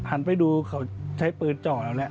หันไปดูเขาใช้ปืนเจาะแล้วแหละ